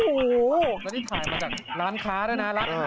แล้วนี่ถ่ายมาจากร้านค้าด้วยนะ